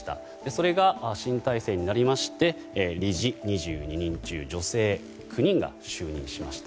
それが、新体制になりまして理事２２人中女性９人が就任しました。